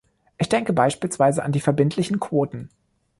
Ich denke beispielsweise an die verbindlichen Quoten.